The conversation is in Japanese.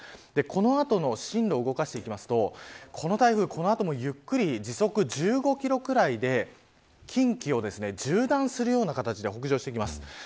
この後の進路を動かしていきますとこの台風、この後もゆっくり時速１５キロくらいで近畿を縦断するような形で北上していきます。